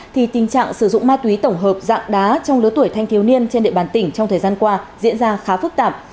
thì tình trạng sử dụng ma túy tổng hợp dạng đá trong lứa tuổi thanh thiếu niên trên địa bàn tỉnh trong thời gian qua diễn ra khá phức tạp